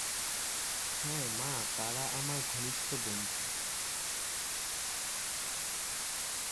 হ্যাঁঁ মা, তারা আমাদের ঘনিষ্ঠ বন্ধু।